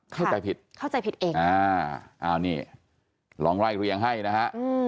เข้าใจผิดเข้าใจผิดเองอ่าอ้าวนี่ลองไล่เรียงให้นะฮะ